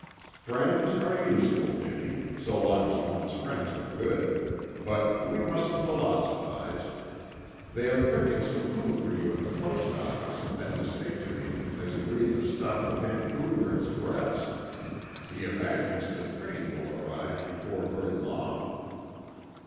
"Friends are useful, Jimmy, so long as one's friends are good; but we mustn't philosophize. They are cooking some food for you at the post office and the station agent has agreed to stop the Vancouver express. He imagines the train will arrive before very long."